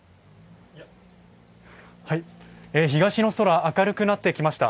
東の空、明るくなってきました。